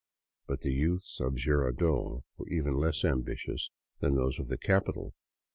But the youths of Jirardot were even less ambitious than those of the capital.